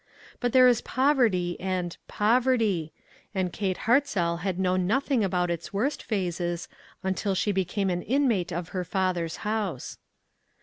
But there is poverty and poverty, and Kate Hartzell had known nothing about its worst phases until she became an inmate of her father's house.